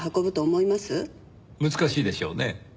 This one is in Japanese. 難しいでしょうね。